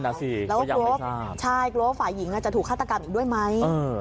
แล้วกลัวว่าสาหญิงจะถูกฆ่ากรรมอยู่ด้วยไหม